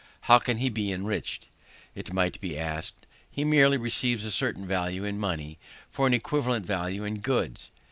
How can he be enriched? it might be asked. He merely receives a certain value in money, for an equivalent value in goods.